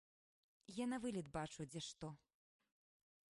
Я навылет бачу, дзе што.